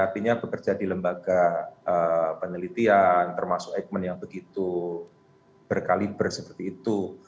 artinya bekerja di lembaga penelitian termasuk eijkman yang begitu berkaliber seperti itu